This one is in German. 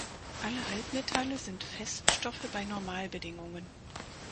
Alle Halbmetalle sind Feststoffe bei Normalbedingungen.